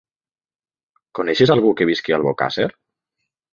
Coneixes algú que visqui a Albocàsser?